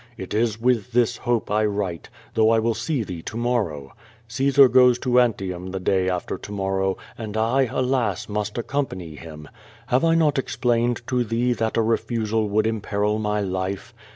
It is with this hope I yrite, though I will see thee to morrow. Caesar goes to Antium the day after to morrow, and I, alas! must accompany him. Have I not explained to thee that a refusal would imperil my life?